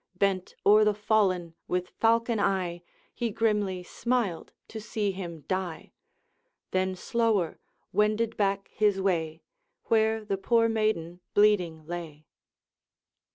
Bent o'er the fallen with falcon eye, He grimly smiled to see him die, Then slower wended back his way, Where the poor maiden bleeding lay.